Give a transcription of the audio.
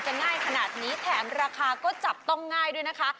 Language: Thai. ง่ายขนาดนี้แถมราคาก็จับต้องง่ายด้วยนะคะ